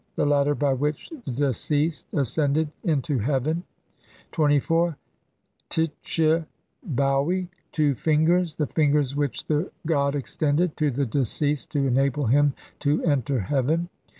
The ladder by which the de ceased ascended into heaven. 24. tB=i tchebaiii Two fingers. The fingers which the god extended to the deceased to enable him to enter heaven.